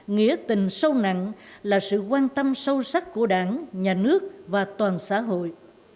nghĩa tình sâu nặng là sự quan tâm sâu sắc của đảng nhà nước và toàn xã hội